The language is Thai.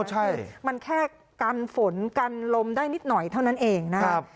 ใช่มันแค่กันฝนกันลมได้นิดหน่อยเท่านั้นเองนะครับ